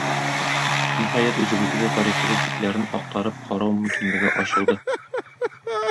Ниһаять, үзебездә дә тарихыбыз битләрен актарып карау мөмкинлеге ачылды.